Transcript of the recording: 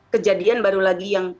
kejadian baru lagi yang